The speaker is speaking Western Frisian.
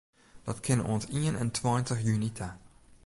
Dat kin oant ien en tweintich juny ta.